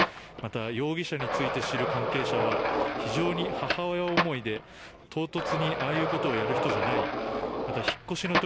また、容疑者について知る関係者は非常に母親思いで唐突にああいうことをやる人じゃない。